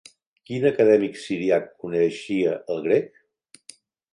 Quin acadèmic siríac coneixia el grec?